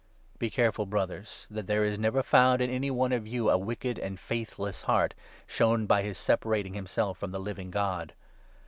' Be careful, Brothers, that there is never found in any one of you a wicked and faithless heart, shown by his separating himself from the Living God.